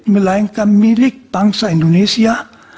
melainkan milik bangsa indonesia